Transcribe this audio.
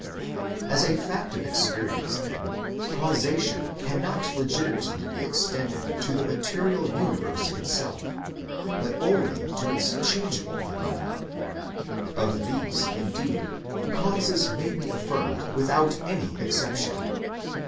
As a fact of experience, then, causation cannot legitimately be extended to the material universe itself, but only to its changeable phenomena; of these, indeed, causes may be affirmed without any exception.